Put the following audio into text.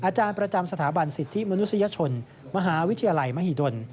อาจารย์ประจำสถาบันสิทธิมนุษยชนมหาวิทยาลัยมหิดล